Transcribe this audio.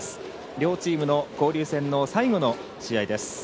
両チームの交流戦の最後の試合です。